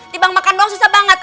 dibang makan doang susah banget